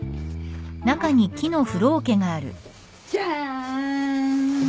じゃーん！